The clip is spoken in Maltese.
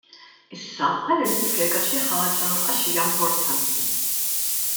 Issa ħalli nispjega xi ħaġa għax hija importanti.